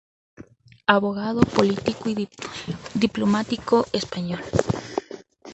Abogado, político y diplomático español.